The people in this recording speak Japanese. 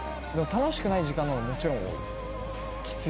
楽しくない時間のほうが、もちろん多い。